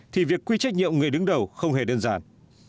thì việc quy trách nhiệm người đứng đầu không hề đơn giản